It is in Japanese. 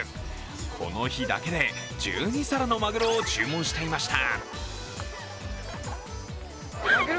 この日だけで１２皿のマグロを注文していました。